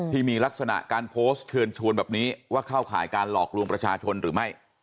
ที่มีลักษณะการโพสต์เชิญชวนแบบนี้ว่าเข้าข่ายการหลอกลวงประชาชนหรือไม่